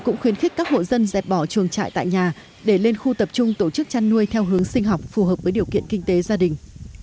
cũng khuyến khích các hộ dân dẹp bỏ chuồng trại tại nhà để lên khu tập trung tổ chức chăn nuôi theo hướng sinh học phù hợp với điều kiện kinh tế gia đình